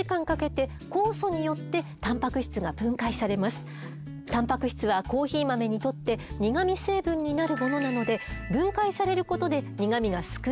するとゾウが食べたコーヒー豆はたんぱく質はコーヒー豆にとって苦み成分になるものなので分解されることで苦みが少なくなります。